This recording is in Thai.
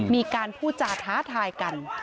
มีการพูดจาท้าทายกัน